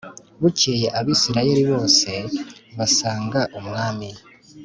Bukeye Abisirayeli bose basanga umwami